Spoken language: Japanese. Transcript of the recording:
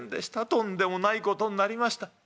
とんでもないことになりました。